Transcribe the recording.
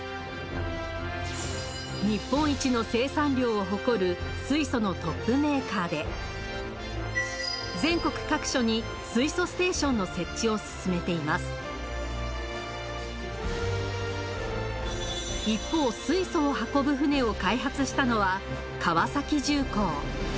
日本一の生産量を誇る水素のトップメーカーで全国各所に水素ステーションの設置を進めています一方水素を運ぶ船を開発したのは川崎重工。